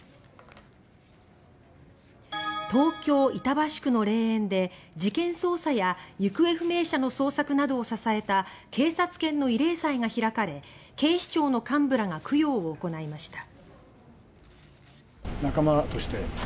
東京・板橋区の霊園で事件捜査や行方不明者の捜索などを支えた警察犬の慰霊祭が開かれ警視庁の幹部らが供養を行いました。